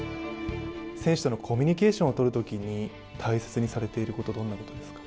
選手とのコミュニケーションをとるときに大切にしていることって何ですか？